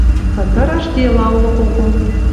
Хытыраш дела улы кого.